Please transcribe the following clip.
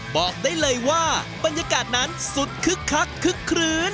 บอกได้เลยว่าบรรยากาศนั้นสุดคึกคักคึกคลื้น